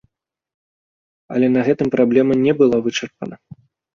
Але на гэтым праблема не была вычарпана.